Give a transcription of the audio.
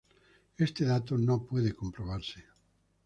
Este dato no puede comprobarse.